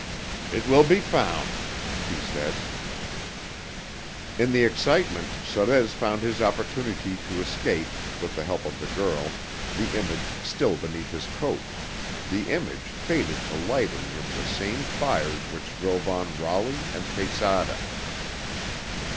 "It will be found," he said. In the excitement Sorez found his opportunity to escape, with the help of the girl, the image still beneath his coat, the image fated to light in him the same fires which drove on Raleigh and Quesada.